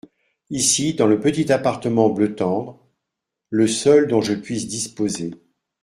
Ici, dans le petit appartement bleu tendre… le seul dont je puisse disposer…